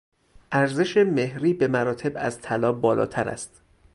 ارزش مهری به مراتب از طلا بالاتر است.